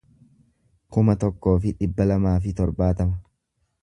kuma tokkoo fi dhibba lamaa fi torbaatama